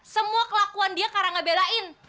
semua kelakuan dia kak rangga belain